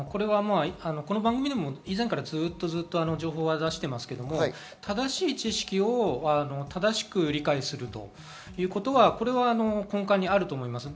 この番組でもずっと情報を出してますが、正しい知識を正しく理解するということが根幹にあると思います。